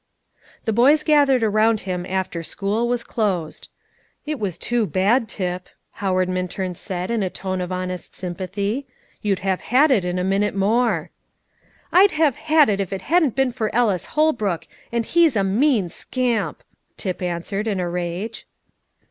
The boys gathered around him after school was closed. "It was too bad, Tip," Howard Minturn said, in a tone of honest sympathy. "You'd have had it in a minute more." "I'd have had it if it had not been for Ellis Holbrook, and he's a mean scamp!" Tip answered, in a rage.